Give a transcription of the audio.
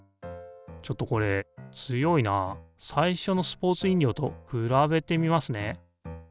ちょっとこれ強いなあ最初のスポーツ飲料と比べてみますね。